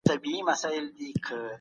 په کور کې د زده کړې په وخت کې.